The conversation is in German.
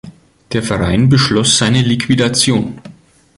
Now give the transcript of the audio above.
Der Verein beschloss seine Liquidation.